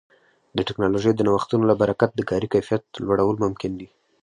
د ټکنالوژۍ د نوښتونو له برکت د کاري کیفیت لوړول ممکن دي.